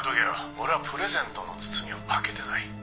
「俺はプレゼントの包みを開けてない」